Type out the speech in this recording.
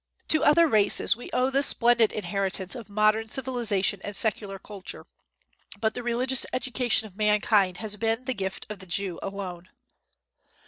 To other races we owe the splendid inheritance of modern civilization and secular culture, but the religious education of mankind has been the gift of the Jew alone."